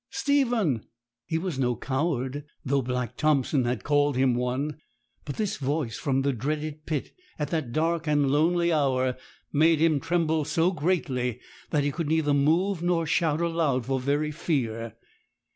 Stephen!' He was no coward, though Black Thompson had called him one; but this voice from the dreaded pit, at that dark and lonely hour, made him tremble so greatly that he could neither move nor shout aloud for very fear.